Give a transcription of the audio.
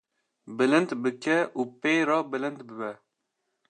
bilind bike û pê re bilind bibe.